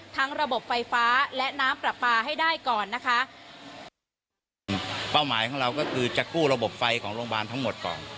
ระบบไฟฟ้าและน้ำปลาปลาให้ได้ก่อนนะคะเป้าหมายของเราก็คือจะกู้ระบบไฟของโรงพยาบาลทั้งหมดก่อน